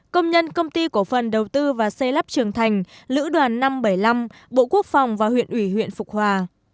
công nhân công ty cổ phần đầu tư và xây lắp trường thành lữ đoàn năm trăm bảy mươi năm bộ quốc phòng và huyện ủy huyện phục hòa